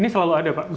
ini selalu ada pak